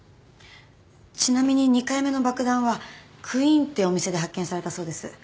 ちなみに２回目の爆弾はＱｕｅｅｎってお店で発見されたそうです。